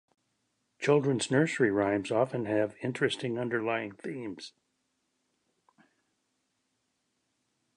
Children's nursery rhymes often have interesting underlying themes.